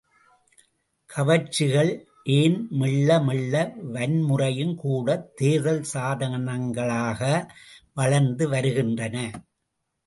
கவர்ச்சிகள் ஏன் மெள்ள மெள்ள வன்முறையுங் கூடத் தேர்தல் சாதனங்களாக வளர்ந்து வருகின்றன.